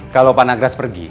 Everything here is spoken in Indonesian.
kalau pak nagras pergi